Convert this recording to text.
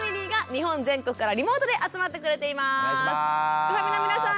すくファミの皆さん